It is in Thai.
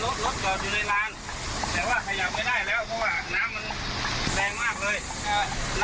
รถรถจอดอยู่ในลานแต่ว่าขยับไม่ได้แล้วเพราะว่าน้ำมันแรงมากเลยเอ่อ